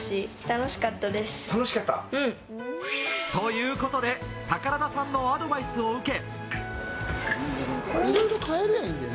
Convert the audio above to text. ということで、宝田さんのアドバイスを受け。